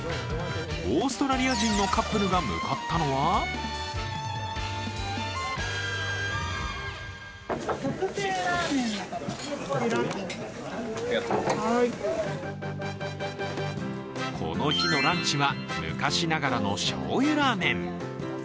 オーストラリア人のカップルが向かったのはこの日のランチは昔ながらのしょうゆラーメン。